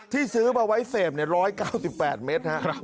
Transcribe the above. ที่ซื้อมาไว้เสพ๑๙๘เมตรครับ